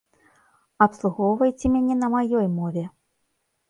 Абслугоўвайце мяне на маёй мове.